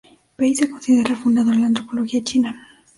Pei se considera el fundador de la antropología china.